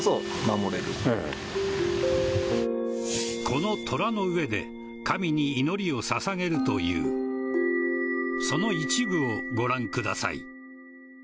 この虎の上で神に祈りを捧げるというその一部をご覧ください